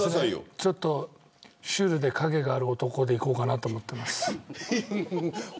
ちょっと、シュールで影のある男でいこうと思います。